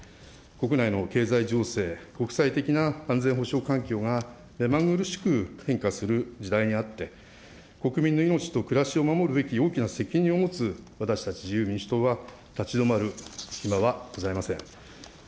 国内の経済情勢、国際的な安全保障環境が目まぐるしく変化する時代にあって、国民の命と暮らしを守るべき大きな責任を持つ私たち自由民主党は立ち止まる暇はございません。